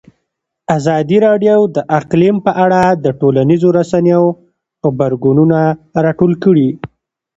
ازادي راډیو د اقلیم په اړه د ټولنیزو رسنیو غبرګونونه راټول کړي.